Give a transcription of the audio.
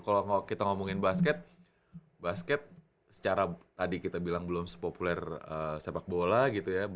kalau kita ngomongin basket basket secara tadi kita bilang belum sepopuler sepak bola gitu ya